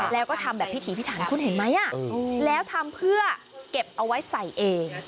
แล้วก็ทำแบบพิถีพิถันคุณเห็นไหมแล้วทำเพื่อเก็บเอาไว้ใส่เอง